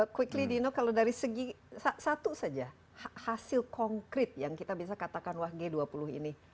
quickly dino kalau dari segi satu saja hasil konkret yang kita bisa katakan wah g dua puluh ini